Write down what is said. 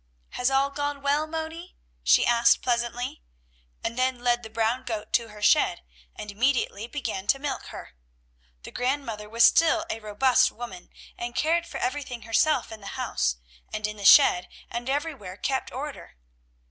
"Has all gone well, Moni?" she asked pleasantly, and then led the brown goat to her shed, and immediately began to milk her. The grandmother was still a robust woman and cared for everything herself in the house and in the shed and everywhere kept order.